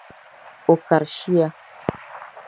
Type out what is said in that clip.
O kari shia.